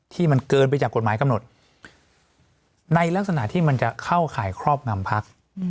ที่มันเกินไปจากกฎหมายกำหนดในลักษณะที่มันจะเข้าข่ายครอบงำพัก